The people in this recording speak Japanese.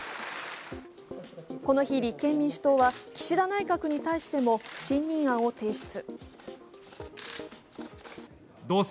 この日、立憲民主党は岸田内閣に対しても不信任案を提出。